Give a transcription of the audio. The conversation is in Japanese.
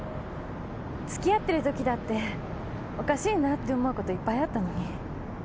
つきあってるときだっておかしいなって思うこといっぱいあったのに。